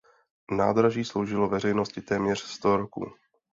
Nádraží sloužilo veřejnosti téměř sto roků.